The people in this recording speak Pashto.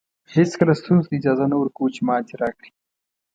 هېڅکله ستونزو ته اجازه نه ورکوو چې ماتې راکړي.